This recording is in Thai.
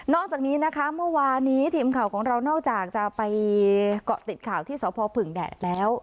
อกจากนี้นะคะเมื่อวานี้ทีมข่าวของเรานอกจากจะไปเกาะติดข่าวที่สพผึ่งแดดแล้ว